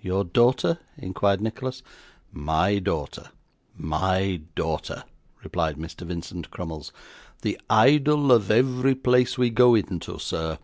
'Your daughter?' inquired Nicholas. 'My daughter my daughter,' replied Mr. Vincent Crummles; 'the idol of every place we go into, sir.